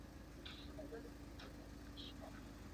现效力于中国足球甲级联赛球队浙江毅腾。